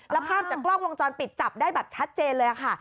แล้วภาพจากกล้องวงจรปิดจับได้แบบชัดเจนเลยค่ะ